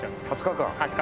２０日間。